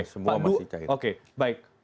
semua masih cair